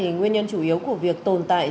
nguyên nhân chủ yếu của việc tồn tại